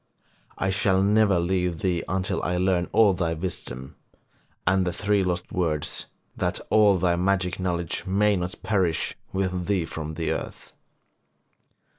I shall never leave thee until I learn all thy wisdom, and the three lost words, that all thy magic knowledge may not perish with thee from the earth.'